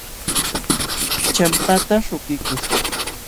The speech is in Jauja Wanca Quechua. Champata śhukiykuśhun.